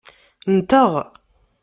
Nteɣ.